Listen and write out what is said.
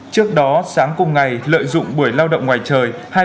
trước đó sáng cùng ngày lợi dụng buổi lao động ngoài trời